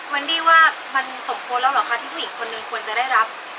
มันดี้ว่ามันสมควรแล้วเหรอคะที่ผู้หญิงคนหนึ่งควรจะได้รับ